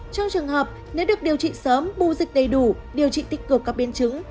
trong trường hợp nếu được điều trị sớm bu dịch đầy đủ điều trị tích cực các biên chứng